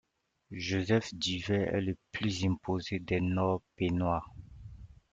Joseph Duvet est le plus imposé des Noordpeenois.